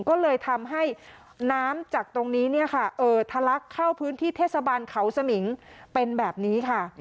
ก็เลยทำให้น้ำจากตรงนี้ทะลักเข้าพื้นที่เทศบาลเขาสมิงเป็นแบบนี้ค่ะ